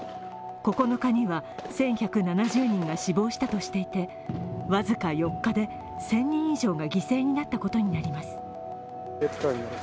９日には、１１７０人が死亡したとしていて、僅か４日で１０００人以上が犠牲になったことになります。